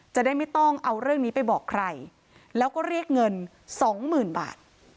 จะได้ไม่ต้องเอาเรื่องนี้ไปบอกใครแล้วก็เรียกเงินสองหมื่นบาท